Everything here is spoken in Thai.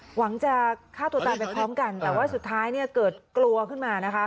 หวังจะฆ่าตัวตายไปพร้อมกันแต่ว่าสุดท้ายเนี่ยเกิดกลัวขึ้นมานะคะ